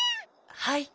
はい。